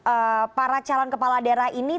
eee para calon kepala daerah ini